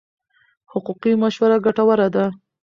حقوقي مشوره ګټوره ده.